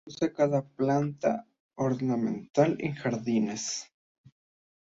Usada como planta ornamental en jardines.